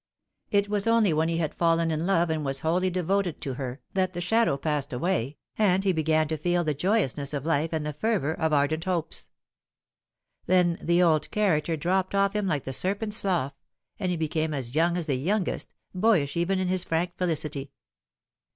It was only when he had fallen in love and was wholly devoted to her that the shadow passed away, and he began to feel the joyousness of life and the fervour of ardent hopes. Then the old character dropped off him like the serpent's slough, and he became as young as the youngest boyish even in his frank felicity.